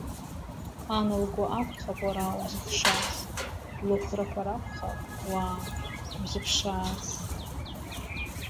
Ан лгәы акәхап уара узыхшаз, лыхәрақәа ракәхап уа узыԥшааз.